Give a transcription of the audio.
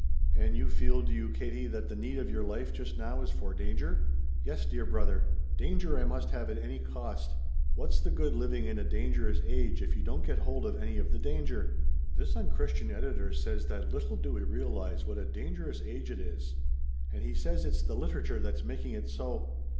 "And you feel, do you, Katie, that the need of your life just now is for danger?" "Yes, dear brother. Danger I must have at any cost. What's the good living in a dangerous age if you don't get hold of any of the danger? This unchristian editor says that little do we realize what a dangerous age it is. And he says it's the literature that's making it so.